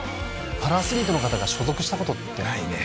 パラアスリートの方が所属したことってないね